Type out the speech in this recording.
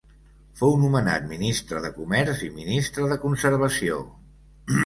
Fou nomenat Ministre de Comerç i Ministre de Conservació.